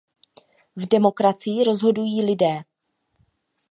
V demokracii rozhodují lidé.